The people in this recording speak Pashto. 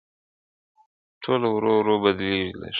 ټولنه ورو ورو بدلېږي لږ,